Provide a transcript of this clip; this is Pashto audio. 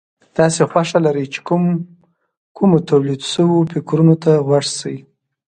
تاسې خوښه لرئ چې کومو توليد شوو فکرونو ته غوږ شئ.